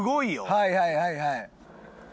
はいはいはいはい。